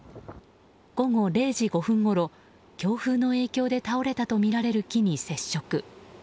午後０時５分ごろ強風の影響で倒れたとみられる木に接触。